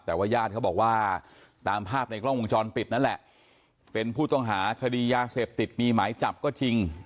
แต่ว่าญาติเขาบอกว่าตามภาพในกล้องวงจรปิดนั่นแหละเป็นผู้ต้องหาคดียาเสพติดมีหมายจับก็จริง